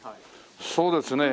そうですね。